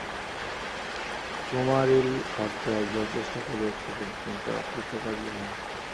কুমারিলভট্ট একবার চেষ্টা করিয়াছিলেন, কিন্তু অকৃতকার্য হন।